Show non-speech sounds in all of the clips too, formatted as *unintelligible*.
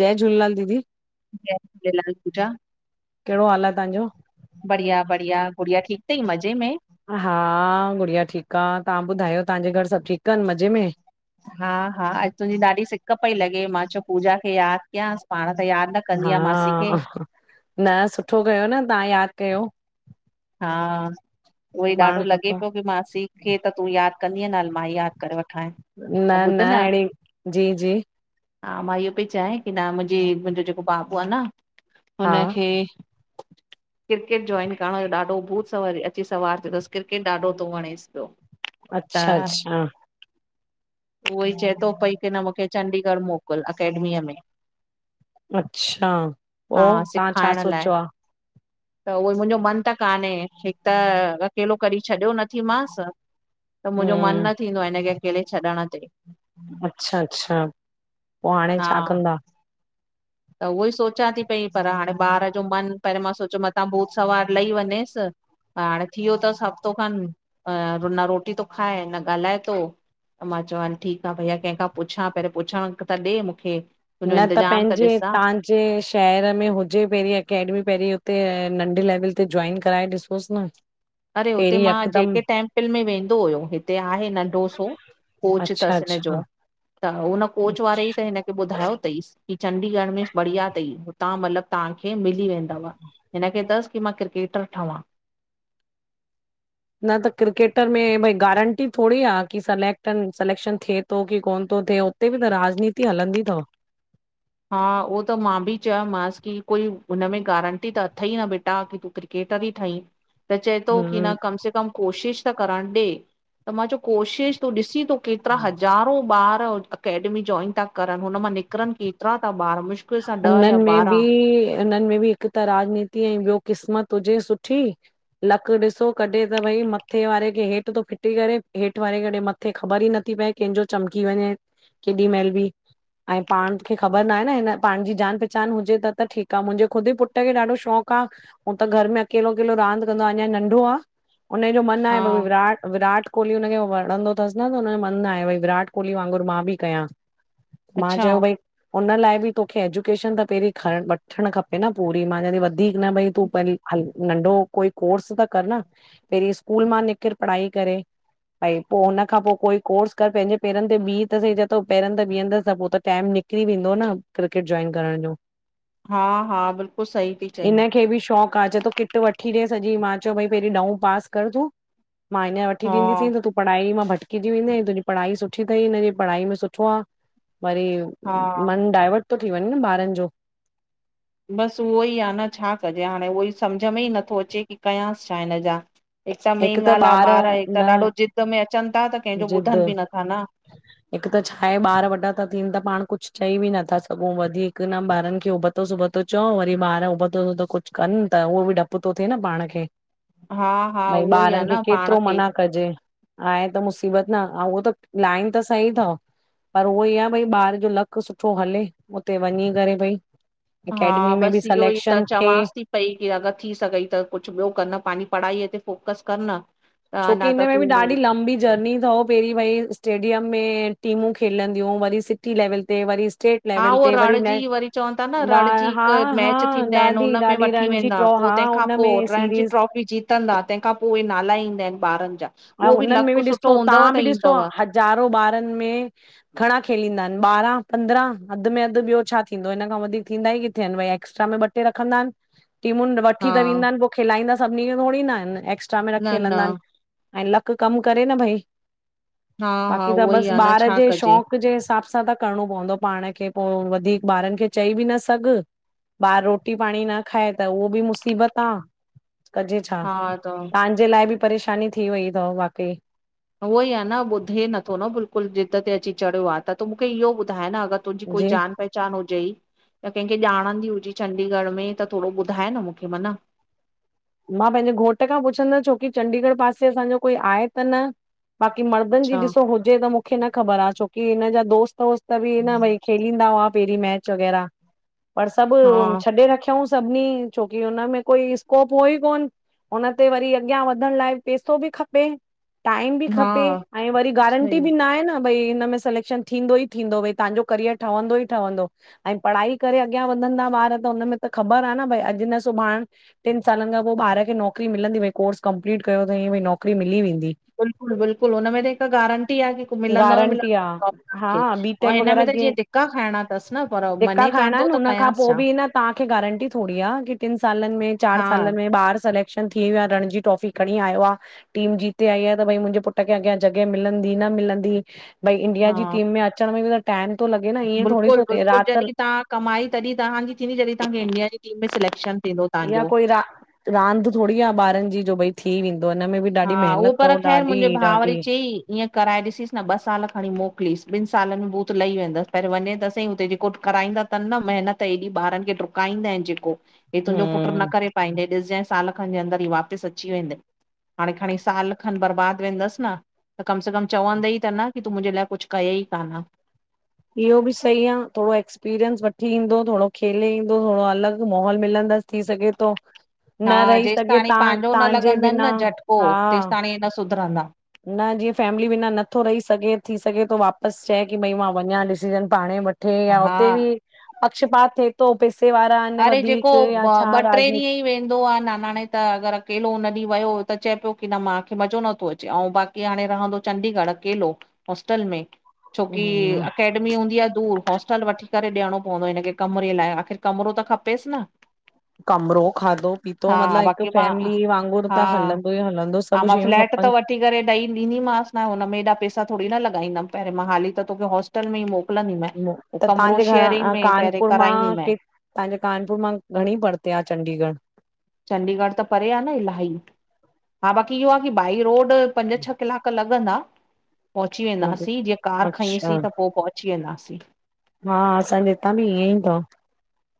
जय झूलेलाल दीदी। जय झूलेलाल पूजा। कहिड़ो हाल आ तव्हांजो? बढ़िया बढ़िया गुड़़िया ठीक तई मज़े में? हा गुड़िया ठीक आ तहां ॿुधायो तांजे घर सभ ठीक आहिन मज़े में? हा हा अॼु तुंहिंजी ॾाढी सिक पई लॻे मां चयो पूजा खे यादि कयांसि पाण त यादि न कंदी आहे मासी खे हा न सुठो कयो न तंहा याद कयो। हा उहोई ॾाढो पाण लॻे सुठो पियो की मांसी खे त तूं याद कंदीअ न मां याद करे वठ न अउ ॿुध न। अहिड़ी, जी जी हा मां इहो पई चई की न मुंजी मुंजो जेको बाबू आ न हा, हुनखे क्रिकेट जॉइन करण जो ॾाढो ॾढो भूत अची सवार थीयो तसि क्रिकेट ॾाढो थो वणेसि पियो। त अच्छा अच्छा, उहो ही चए थो पई की न मूंखे चंडीगढ़ मोकिल अकेडमीअ में। अच्छा पो हा तव्हां छा सिखाइण लाइ सोचियो आ? त उहोइ मुंहिंजो मन त कान्हे हिक त अकेलो कॾीहं छॾियो नथी मांस। त मुंहिंजो मन हम्म, न थींदो आ हिन खे अकेले छॾण ते। अच्छा अच्छा पो हाणे हा छा कंदा? *inaudible* त उहो ही सोचां थी पई पर हाणे ॿार जो मन पहिरीयों मां सोचियो मतां भूत सवार लही वञे नेसि त हाणे थी वियो थसि हफ़्तो खनि न रोटी तो खाए न ॻाल्हाए तो। त मां चवां ठीक आ भैया कंहिंखां पुछां पर पुछण त ॾे मूंखे। तुंहिंजो न त इंतज़ाम पंहिंजे ॾिसां तांह जे शहर में हुजे पहिरीं अकेडमी पहिरीं उते नंढे लेवल ते जॉइन कराए ॾिसोसि न। अरे हुते पहिरीं मां जेके यकदमि टेंम्पिल में वेंदो हुयो, हिते आहे नंढो सो। कोच अच्छा तसि हिनजो अच्छा त उन्ह कोच वारे ई त हिनखे ॿुधायो तईंसि की चंडीगढ़ में बढ़िया तई हुतां मतलबु तहांखे मिली वेंदव। हिन खे तसि कि मां क्रिकेटर ठहिंवां। न त क्रिकेटर में भई गारंटी थोड़ी आ की सलेक्टन सलेक्शन थिए तो की कोन्ह तो थिए उते ॿि त राजनीति हलंदी थव हा उहो त मां भी चयोमांसि की कोई हुन में गारंटी त अथई न ॿेटा की तूं क्रिक केटर ई ठंई त चए तो कि हम्म, न कम से कम कोशिश त करणुं ॾे त मां च्यो कोशिश तूं ॾिसी तो केतिरा हज़ारो ॿार अकेडमी ज्वाइन इन ता करनि हुन मां निकिरनि केतिरा ता ॿार मुश्क हुननि में बि इन्हनि में बि हिकु त राजनीति ऐं ॿियो क़िस्मत हुजे सुठी लक ॾिसो कॾहिं त भई मत्थे वारे खे हेठि तो फिटी करे हेठि वारे खे कॾहि मथ किथे ख़बर ई नथी पए कंहिंजो चमकी वञे केॾी महिल बि ऐं पांण खे ख़ॿर नाहे न हिन पांण ॼी ॼान पहिचान हुॼे त त ठीक आ मुंॼे खुद ई पुट्र खे ॾाढो शौक़ु आ हू त घर में अकेलो अकेलो रांदि कंदो अंञां नंढो आ उन्हें ॼो मन हा आहे भ विराट विराट कोहली हुनखे वणंदो थसि न त हुनॼो मन आहे भई विराट कोहली वांगुर मां ॿि कयां मां अच्छा चयो भई उन्ह लाए ॿि तोखे एज्युकेशन त पहिरीं खण वठणु खपे न पूरी मां चयांती वधीक न भई तूं प हल नंढो कोई कोर्स त कर न पहिरीं स्कूल मां निकिर पढ़ाई करे भई पो हुन खां पो कोई कोर्स कर पंहिंॼे पेरनि ते ॿीह त संई चएतो पेरनि ते ॿीहंदस त पो त टाइम निक किरी वेंदो न क्रिकेट जॉइन करण ॼो हा हा ॿिल्कुलु सही ती चईं। खे ॿि शौक़ु हा चए तो किट वठी ॾे सॼी मां चयो भई पहिरीं ॾहों पास कर तूं मां हिंञ़र वठी हा ॾींदीसंई त तूं पढ़ाई मां भटकिॼी वेंदे तुंहिंॼी पढ़ाई सुठी तई हिनॼी पढ़ाई में सुठो आ वरी हा मन डाइवर्ट तो थी वंञें न ॿारनि ॼो ॿसि उहो ई आ न छा कॼे हाणें उहोई सम्झ में ई नथो अचे कि कयांसि छा हिन ॼा हिक त मेन ॻाल्हि आ ॿार हिकु त ॾाढो ज़िद में अचनि ता त कंहिंजो जिद ॿुधनि ॿि नथा न। हिक त छा हे ॿार वॾा ता थियनि त पांण कुछु चई बि नथा सघूं वधीक कि न ॿारनि खे उबतो सिबतो चओ वरी ॿार उबतो सुबतो कुछ कनि त उहो ॿि डृपु थो थिए न पांण खे। हा। हा भइ उहो ई आ ॿारनि खे न पाण केतिरो खे मना कजे, आहे त मुसीबत न औंउ उहो त लाइन त सही थव पर उहोई आ भई ॿार जो लकु सुठो हले उते वंञीं करे भई हा अकेडमी में ॿि बसि इहो ई त सलेक्शन थिए चवांसि थी पई की अगरि थी सघई त कुछु ॿियो कर न पांजी पढ़ाईअ ते फोकस कर न त छोकी अञा त इन्हेमें ॿि तूं ॾाढी लंबी जर्नी थव पहिरीं वई स्टेडियम में टीमूं खेलंदियूं, वरी सिटी लेवल ते, वरी स्टेट हा लेवल उह ते वरी रणजी नेशनल वरी चवनि ता न ॾा रणजी हा हिक हा मैच थींदा इनि ॾाढी उन्ह में ॾाढी वठी रणजी वेंद हा ट्रो पो तंहिंखां पो, हुनमें रण जी सीरीज़ ट्रॉफी जीतंदा तंहिंखां पोइ नाला ईंदा इनि ॿारनि जा हा उहो बि उन्हनि में लक ॿि ॾिसो सुठो हूंदव तहां ॿि त ॾिसो ईंदव हज़ारो ॿारनि में घणा खेलींदा हिनि ॿारहां पंद्रहां वधि में वधि ॿियो छा थींदो हिन खां वधीक थींदा ई किथे इन भई एक्स्ट्रा में ॿ रखंदा हिनि टी *inaudible* मुन वठी त हा विंदा हिनि पो खिलाईंदा सभिनी खे थोरीं ना इन एक्स्ट्रा में रखी न न हलंदा आहिनि। ऐं लक कम करे न भइ हा हा बाक़ी त उहो ई बस आ न ॿार छा जे कजे शौक़ जे हिसाब सां त करणो पवंदो आ पांण खे पो वधीक ॿारनि खे चई ॿि न सघ ॿार रोटी पांणी न खाए त उहो ॿि मुसीबत आ कजे छा, हा त तहांजे लाइ ॿि परेशानी थी वई थव वाकई उहोई आ न ॿुधे नथो न बिल्कुल ज़िद ते अची चढ़ियो आ त त मुखे इहो ॿुधाए न अगरि तुंहिंजी कोई जी जान पहिचान पहचान हुजई या कंहिंखे ॼाणंदी हुजीं चंडीगढ़ में त थोड़ो ॿुधाए न मुखे मन। मां पंहिंजे घोट खां पुछंदसि छोकी चंडीगढ़ पासे असांजो कोई आहे त न बाक़ी मड़दन जी अच्छा ॾिसो हुजे त मुखे न ख़बर आ छोकी हिन जा दोस्त वोस्त ॿि न भई खेलींदा हुआ पहिरीं मैच वग़ैरह पर सभु हा छॾे रखयन। छॾऊं सभिनी छोकी हुन में कोई स्कोप होई कोन उन्हते वरी अॻियां वधण लाइ पैसो ॿि खपे टाईम ॿि हा खपे ऐं वरी गारंटी सही ॿि ना हे न भई इन्हमें सलेक्शन थींदो ई थींदो भई तहांजो करियर ठहंदो ई ठहंदो। ऐं पढ़ाई करे अॻियां वधंदा ॿार त उन्हमे त ख़बर आ न भई अॼु न सुभांण टिन सालनि खां पो ॿार खे नौकिरी मिलंदी भई कोर्स कंपलीट कयो त हीअं भई नौकिरी मिली वेंदी। बिल्कुलु बिल्कुलु हुन में त हिक गारंटी आ की हिकु मिलंदव गारंटी मिलंदव जॉब हुनन खे ऐं हिन में त जीअं द धिक्का खाइणां हिनि त हुन खां कयांसि पो छा ॿि न तव्हांखे गारंटी थोरी आ कि टिनि सालनि में चारि हा सालनि में ॿार सलेक्शन थी वयो आ रणजी ट्रॉफी खणीं आयो आ टीम जीते आई आ त भइ मुंहिंजे पुट्र खे अॻियां जॻहि मिलंदी न मिलंदी भई इंडिया जी हा टीम में अचण में ॿि त टाइम तो लॻे न ईअं थोरी बिल्कुलु थो थिए बिल्कुलु राति जडि्हिं तव्हां कमाई तडि्हिं तहांजी थींदी जडि्हिं तव्हांखे इंडिया जी टीम में सलेक्शन थींदो। इहा तव्हांजो कोई रा रांदि थोड़ी आ‌ ॿारनि जी जो भई थी वेंदो इन्ह में ॿि हा उहो पर ख़ैर मुंहिंजे भा वरी चयईं ईअं कराए ॾिसीस न ॿ साल खणीं मोकिलीसि ॿिनि सालनि में भूत लही वेंदसि पहिरीं वंञे त सहीं हुते जेको कराईंदा तन न मेहिनत एॾी ॿारनि खे डु्काईंदा इनि जेको हे तुंहिंजो पुट्र न हम्म करे पाईंदइ ॾिसॼएं साल खनि जे अंदरि ई वापसि अची वेंदइ। हांणें खंणीं साल खनि बर्बाद वेंदसि न त कम से कम चवंदई त न कि तूं मुंहिंजे लाइ कुछु कयइ कान। इहो ॿि सही आ थोड़ो एक्सपीरियंस वठी ईंदो थोड़ो खेले ईंदो थोड़ो अलॻि माहौल मिलंदसि थी सघे तो हा न रही जेसि सघे ताणी ता पंहिंजो न तहान्जे लॻंदनि बिना न झटिको हा *unintelligible* न सुधरंदा। न जीअं फैमिली बिना नथो रही सघे, थी सघे थो वापस चए की भई मां वञा डिसीजन पाणे वठ *inaudible* या हा हुते बि पक्षपात थिए थो पैसे वारा आहिनि अरे जेको वधीक या छा ॿ ट्रे ॾींहं राजनीति ई वेंदो आ नानाणे अगरि अकेलो हुन ॾींहुं वियो त चए पियो की न मां मज़ो न थो अचे ऐं बाक़ी हाणे रहंदो चंडीगढ़ अकेलो होस्टल में छोकी हम्म अकेडमी हूंदी आ दूर हॉस्टल वठी करे ॾियणो पवंदो हिनखे कमरे लाइ आख़िर कमिरो त खपेसि न कमिरो, खाधो, पीतो हा मतलबु हिक बाक़ी मां फैमिली वांगुर त हलंदो ई हलंदो सभु शयूं बैट त खपनि वठी करे ॾेई ॾीदीमांसि न हुन में एॾा पैसा थोरी न लॻाईंदमि पहिरी मां हाली त तोखे हौस्टल में ई मोकिलां त तव्हांजे घरां अ पहिरियों कानपुर मां कराईंदीमांइ के तव्हांजे कानपुर मां घणी परते आ चंडीगढ़? चंडीगढ़ त परे आहे न इलाही हा बाक़ी इहो आहे की बाई रोड पंज छह कलाख पक लॻंदा पोहची वेंदासीं जीअं कार अच्छा खईंसीं त पो पोहची वेंदासीं। हा असांजे हितां बि ईअं ई तव।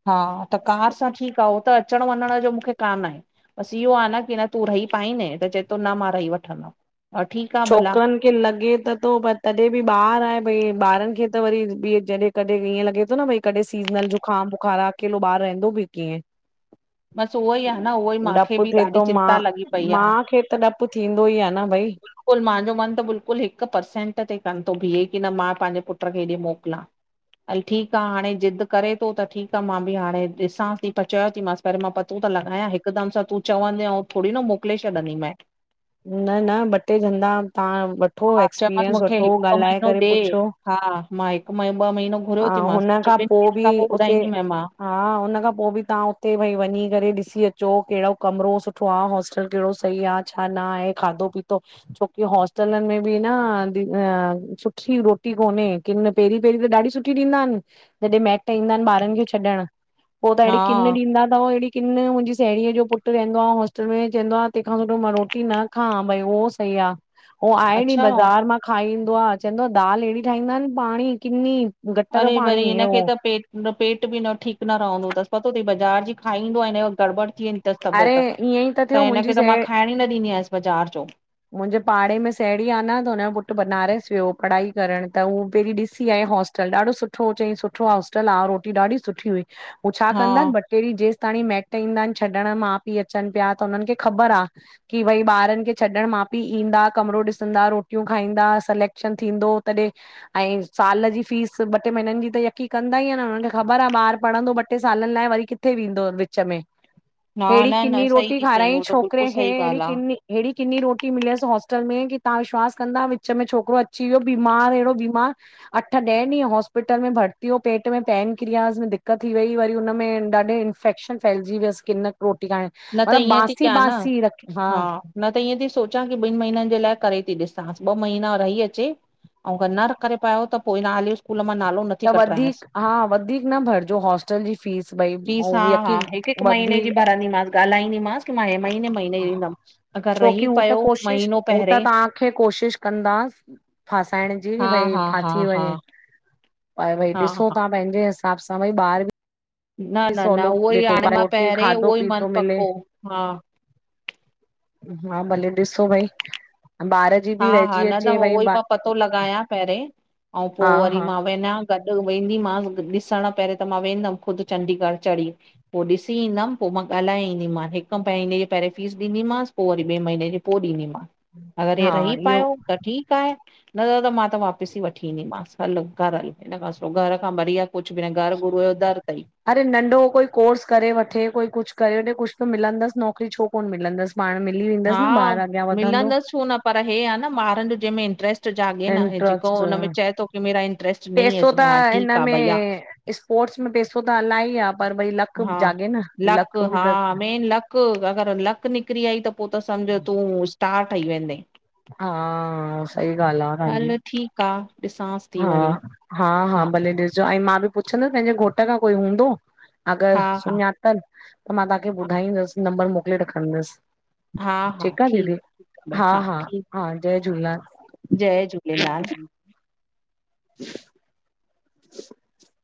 हा त कार सां ठीकु आ उहो त अचण वञण जो मूंखे कान आहे बसि इहो आहे न की न तूं रही पादें त चव थो न मां रही वठंदमि। हा ठीकु आ भला छोकरनि खे लॻे त थो पर तॾहिं बि ॿार आहे भई ॿारनि खे त वरी ॿ जॾहिं कॾहिं ईअं लॻे थो न भई कॾहिं सीज़नल जुखाम, बुखार अकेलो ॿार रहंदो बि कीअं? *inaudible* बसि उहो ई आ न उहो ई मूंखे डपु बि थिए ॾाढी थो मां चिंता लॻी पई आ माउ खे त डपु थींदो ई आहे न भई बिल्कुल मुंहिंजो मन त बिल्कुलु हिकु परसेंट ते कनि थो बीहे की न मां पंहिंजे पुट खे हेॾे मोकिलां। हल ठीकु आहे हाणे ज़िद करे थो त ठीकु आहे मां बि हाणे ॾिसां थी पर चयो थी मसि पर मां पतो त लॻाया हिकदमि सां तूं चवंदे अउं थोरी न मोकिले छॾंदी मैं न न ॿ टे हंधा तव्हां वठो हा चयोमांसि एक्सपीरियंस मूंखे वठो हिकु ॿ ॻाल्हाए महीनो करे ॾे पुछो। हा मां हिकु मही ॿ महीनो घुरियो ऐं थी मांस हुन *unintelligible* ॿिनि खां महीननि बि खां पोइ उते ॿुधाईंदीमाइ मां हा हुन खां पो ॿि तव्हां उते भई वञी करे ॾिसी अचो कहिड़ो कमिरो सुठो आ होस्टल कहिड़ो सही आ छा न आहे खाधो पीतो छोकी होस्टलनि में बि न दी सुठी रोटी कोने किन पहिरीं पहिरीं त ॾाढी सुठी ॾींदा आहिनि, जॾहिं मैइट ईंदा आहिनि ॿारनि खे छॾणु पो त एहिडि किन हा ॾींदा तव एड़ी किन मुंहिंजी साहेड़ीअ जो पुटु रहंदो आ हॉस्टल में चवंदो आ तंहिंखां सुठो मां रोट न खां भई उहो सही आ ऊअं आहे डि् अच्छा बज़ार मां खाई ईंदो आ चवंदो आहे दाल एहिड़ी ठाहींदा आहिनि पाणी किनी गटर अरे वरी पाणी हिनखे अहिड़ो त पेट उनजो पेट बि न ठीकु न रहंदो अथसि पतो तई बाज़ार जी खाईंदो आहे न गड़बड़ थी वेंदी अरे तबियत ईअं ई थियो त मुंहिंजी हिनखे त साहे मां खाइण ई न ॾींदी आयसि बाज़ार जो मुंहिंजे पाड़े में साहेड़ी आ न त हुनजो पुटु बनारसी वियो पढ़ाई करण त उ पहिरीं ॾिसी आइ होस होस्टल ॾाढो सुठो हु चईं सुठो होस्टल आहे रोटी ॾाढी सुठी हुई हू छा हा कंदा आहिनि ब कहिड़ी जेस ताणी मेट ईंदा आहिनि छॾण माउ पीउ अचनि पिया त हुननि खे ख़बर आ की भई ॿारनि खे छॾण मा पीउ ईंदा कमिरो ॾिसंदा रोटियूं खाईंदा सलेक्शन थींदो तॾहिं ऐं साल जी फीस ॿ टे महीननि जी त यकी कंदाई ऐंन हुननि खे ख़बर आहे ॿार पढ़ंदो ॿ टे सालनि लाइ वरी किथे? किथे वेंदो विच में *inaudible* हेहिड़ी न न किनी सही रोटी थी चईं खाराई उहो त बिल्कुलु छोकिरे खे सही हेहिड़ी ॻाल्हि आ किनी हेहिड़ी किनी रोटी मिलियसि होॉस्टल में कि तव्हां विश्वास कंदा विच में छोकिरो अची वियो बीमार अहिड़ो बीमार अठ ॾह ॾींहं हॉस्पिटल में भर्ती हो पेट में पेनक्रियास में दिक्क़त थी वई वरी हुनमें ॾाढे इंफेक्शन फैलजी वियस किन रोटी खाइण न त मतिलबु ईअं थी बासी कयां न बासी रख हा न त इअं थी सोचां की ॿिन महीननि जे लाइ करे थी ॾिसां ॿ महीना रही अचे अऊं गर न करे पायो त पो हिन आले इस्कूल मां नालो न त वधीक हा वधीक न भरजो हॉस्टल जी फीस भई ऐं यकी हिक माहिने जी वधीक भरां ॻाल्हाईंदीमास रही छोकी हू त पियो कोशिश महीनो हू पहिरें त तांखे कोशिश कंदा फासाइण जी नी भाई फासी वञे। ह - भई ॾिसो तां पेंजे हिसाब सां भई ॿार बि - - न ही न न सोलो उहो ई हाणे मां रोटी पहिरें खाधो उहो ई पीतो मन मिले। पको हा हा भले ॾिसो भई ॿार। जी हा बि हा रहिजी न न अचे भई उहो ई मां पतो लॻायां पेरें अऊं पो हा वरी हा मां। वञा गॾु वेंदीमस ॾिसण पहरों त मां वेंदम ख़ुद चंडीगढ़ चढ़ी। पोइ ॾिसी ईंदमि पोइ मां ॻाल्हाए ईंदीमांस हिक महिने जी पहिरें फीस ॾींदीमास। पो वरी ॿे महीने जो ॾींदीमाव। हम्म - - जे रही पायो त ठीक आए न त त मां त वापस ई वठी ईंदीमास। हल कर हल हिन खां सो घर खां बढ़िया कुझ बि न घरु गुरूअ जो दर तई। अरे नंढो कोई कोर्स करे वठे कोई कुझ करे वठे कुझ त मिलंदस नौकरी छो कोन मिलंदस। पाण मिली हा वेंदसि न ॿार अॻियां वधंदो। मिलंदसि छो न पर हे आ न ॿार जो जंमें इंटरेस्ट - - त जाॻे न जेको इंट्रस्ट हुनें चए थो की मेरा इंट्रेस्ट नईं पैसो है त हा हिन ठीक आ में भैया। स्पोर्ट्स में पेसो त अलाई आहे पर भई लक हा जाॻे न लक बि त - - हिकु अगर लक निकिरी आई त पो त सम्झ तूं स्टार ठही वेंदे। हा सई ॻाल्ह आह तांजी। का - - हा हा हा भले ॾिसजो ऐं मां बि पुछंदसि पेंजे घोट खां कोई हूंदो। अगर हा हा सुञातल त मां तांखे हा ॿुधाईंदस नंबर मोकले रखंदस। हा हा ठीक आ दीदी ठीकु आहे भेण हा हा ठीकु हा जय झूलेलाल। जय झूलेलाल। *inaudible*